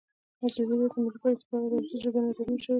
ازادي راډیو د مالي پالیسي په اړه د ولسي جرګې نظرونه شریک کړي.